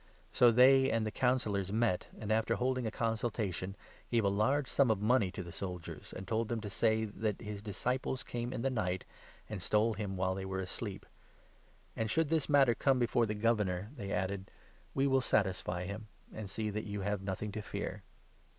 So the}' and the Councillors met and, after 12 holding a consultation, gave a large sum of money to the soldiers, and told them to say that his disciples came in the 13 night, and stole him while they were asleep; "and should 14 this matter come before the Governor," they added, "we will satisfy him, and see that you have nothing to fear."